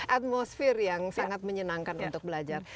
atmosfer yang sangat menyenangkan untuk belajar